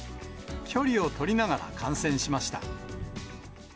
距離を取りながら観戦しました。